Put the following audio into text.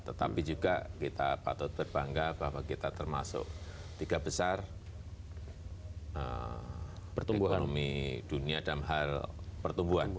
tetapi juga kita patut berbangga bahwa kita termasuk tiga besar pertumbuhan ekonomi dunia dalam hal pertumbuhan